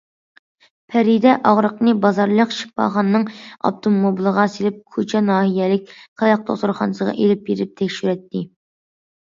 پەرىدە ئاغرىقنى بازارلىق شىپاخانىنىڭ ئاپتوموبىلىغا سېلىپ كۇچا ناھىيەلىك خەلق دوختۇرخانىسىغا ئېلىپ بېرىپ تەكشۈرتتى.